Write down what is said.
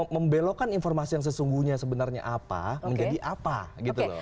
membelokkan informasi yang sesungguhnya sebenarnya apa menjadi apa gitu loh